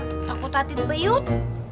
enggak selera takut hati bayut